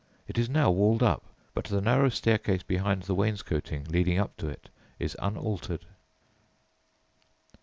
It is now walled up, but the narrow staircase, behind the wainscoting, leading up to it is unaltered.